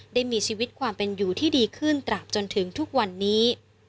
ได้มีชีวิตความเป็นอยู่ที่ดีขึ้นตราบจนถึงทุกวันนี้